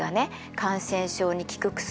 感染症に効く薬